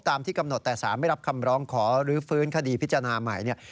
ที่กำหนดแต่สารไม่รับคำร้องขอรื้อฟื้นคดีพิจารณาใหม่เนี่ย